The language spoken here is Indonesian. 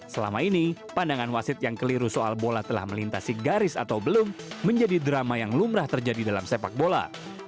selama ini pandangan wasit yang keliru soal bola telah melintasi garis atau belum menjadi drama yang lumrah terjadi dalam sepak bola